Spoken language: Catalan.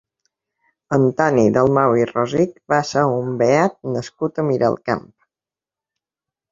Antoni Dalmau i Rosich va ser un beat nascut a Miralcamp.